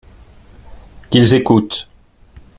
Qu'ils écoutent !